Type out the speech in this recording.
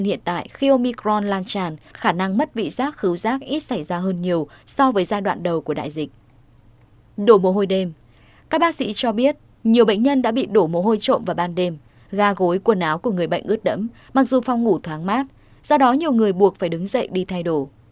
nhiều bệnh nhân đã bị đổ mồ hôi trộm vào ban đêm gà gối quần áo của người bệnh ướt đẫm mặc dù phong ngủ thoáng mát do đó nhiều người buộc phải đứng dậy đi thay đồ